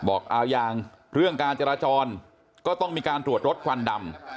บอกเอายังเรื่องการจราจรก็ต้องมีการตรวจรถควันดำ